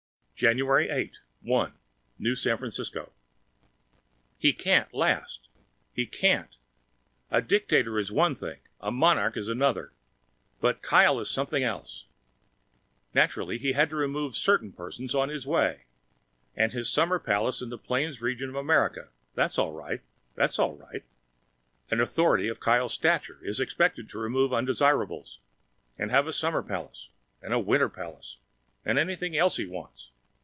January 8, 1 New San Francisco He can't last! He can't! A dictator is one thing. A monarch is another. But Kyle is something else! Naturally he had to remove certain persons from his way. And his summer palace in the plains region of America that's all right, that's all right! An authority of Kyle's stature is expected to remove undesirables, and to have a summer palace, and a winter palace, and anything else he wants!